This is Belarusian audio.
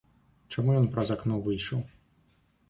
Чаму ён праз акно выйшаў?